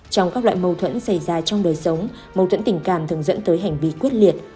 trong các loại mâu thuẫn xảy ra trong đời sống mâu thuẫn tình cảm thường dẫn tới hành vi quyết liệt